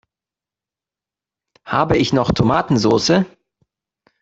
Habe ich noch Tomatensoße?